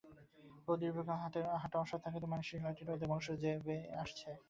বহু দীর্ঘকাল হাতটা অসাড় থাকাতেই মানসিক লাঠিটা ওদের বংশ বেয়ে চলে আসছে।